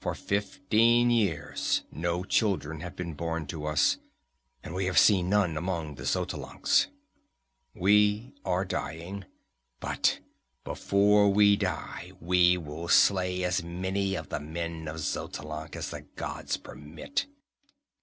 For fifteen years no children have been born to us, and we have seen none among the Xotalancas. "We are dying, but before we die we will slay as many of the men of Xotalanc as the gods permit."